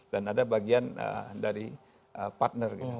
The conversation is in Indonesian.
dan ada bagian dari partner gitu